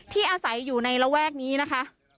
อาศัยอยู่ในระแวกนี้นะคะ